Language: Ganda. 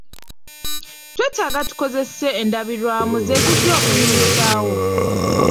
Twetaaga tukozese endabirwamu ze zijja okunyumisaawo.